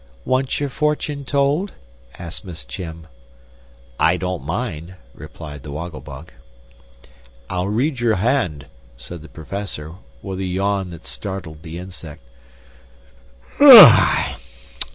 "Want your fortune told?" asked Miss Chim. "I don't mind," replied the Woggle Bug. "I'll read your hand," said the Professor, with a yawn that startled the insect.